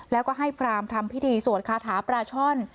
แล้วก็ให้พรามทำพิธีสวดคาถาปลาช่อน